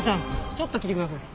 ちょっと来てください。